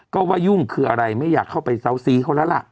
ก็ว่ายุ่งคืออะไรไม่อยากเข้าไปเซาซีเขาแล้วล่ะ